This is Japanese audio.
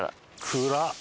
暗っ！